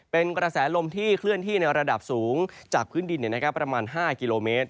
เป็นกระแสลมที่เคลื่อนที่ในระดับสูงจากพื้นดินประมาณ๕กิโลเมตร